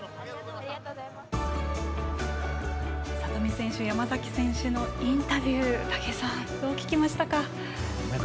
里見選手、山崎選手のインタビュー武井さん、どう聞きましたか？